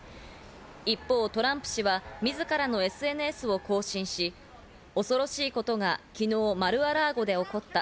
一方、トランプ氏は自らのＳＮＳを更新し、恐ろしいことが昨日、マル・ア・ラーゴで起こった。